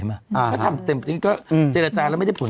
ถ้าทำเต็มจากนี้เจรจารย์แล้วไม่ได้ผล